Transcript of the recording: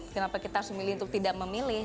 kenapa kita harus memilih untuk tidak memilih